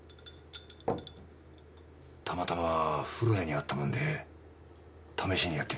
たまたま風呂屋にあったもんで試しにやってみたら。